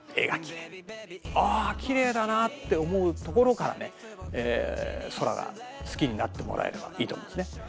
あきれいだなって思うところからね空が好きになってもらえればいいと思うんですね。